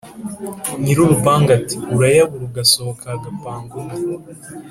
Nyiri urupangu ati: "Urayabura ugasohoka hagapanga undi